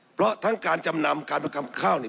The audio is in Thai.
เพราะทั้งการจำนำการสำคับข้าวนี้